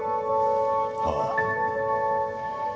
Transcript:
ああ。